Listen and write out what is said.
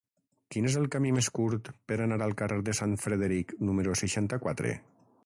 Quin és el camí més curt per anar al carrer de Sant Frederic número seixanta-quatre?